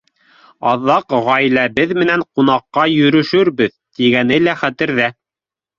Аҙаҡ ғаиләбеҙ менән ҡунаҡҡа йөрөшөрбөҙ тигәне лә хәтерҙә.